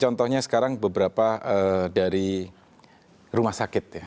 contohnya sekarang beberapa dari rumah sakit ya